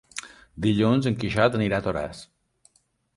Dilluns en Quixot anirà a Toràs.